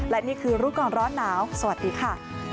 และนี่คือรู้ก่อนร้อนหนาวสวัสดีค่ะ